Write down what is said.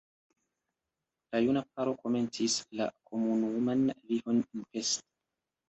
La juna paro komencis la komunan vivon en Pest.